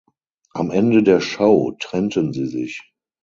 Am Ende der Show trennten sie sich.